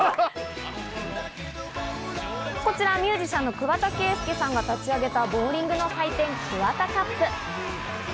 こちらミュージシャンの桑田佳祐さんが立ち上げたボウリングの祭典・ＫＵＷＡＴＡＣＵＰ。